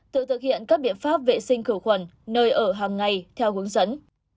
tự thực hiện các biện pháp vệ sinh khử khuẩn nơi ở hàng ngày theo hướng dẫn